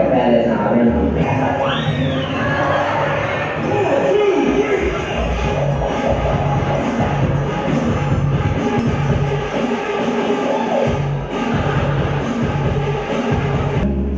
แค่เห็นเรื่องของเหลืออยากที่ไกลกัน